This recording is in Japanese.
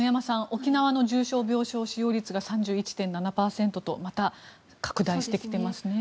沖縄の重症病床使用率が３１．７％とまた拡大してきてますね。